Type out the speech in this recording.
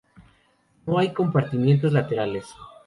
No hay compartimientos laterales.